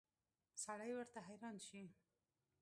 سړی ورته حیران شي.